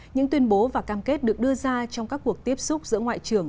những tuyên bố và cam kết được đưa ra trong các cuộc tiếp xúc giữa ngoại trưởng